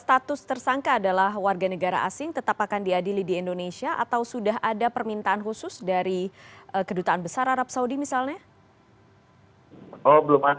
status tersangka adalah warga negara asing tetap akan diadili di indonesia atau sudah ada permintaan khusus dari kedutaan besar arab saudi misalnya